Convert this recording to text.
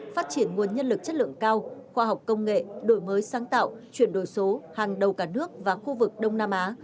phát triển nguồn nhân lực chất lượng cao khoa học công nghệ đổi mới sáng tạo chuyển đổi số hàng đầu cả nước và khu vực đông nam á